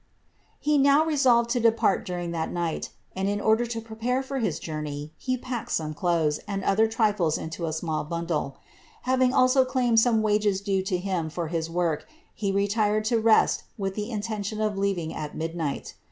He then resolved to de part during that night, and in order to prepare for his journey he packed some clothes and other trifles into a small bundle. Having also claimed some wages due to him for his work, he retired to rest with the intention of leaving at midnight.